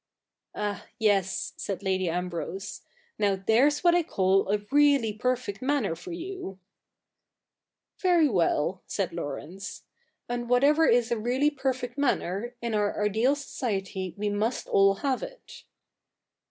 'Ah yes,' said Lady Ambrose . 'Now, there's what I call a really perfect manner for you.' 'Ver) well' said Laurence, 'and whatever is a really perfect manner, in our ideal society we must all have it.'